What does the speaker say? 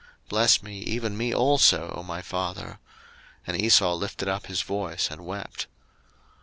bless me, even me also, O my father. And Esau lifted up his voice, and wept.